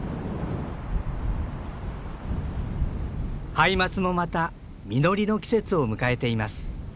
ハイマツもまた実りの季節を迎えています。